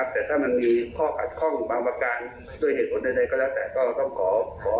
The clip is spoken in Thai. แต่ถ้ามันมีข้อขัดข้องบางประการด้วยเหตุผลใดก็แล้วแต่ก็ต้องขอ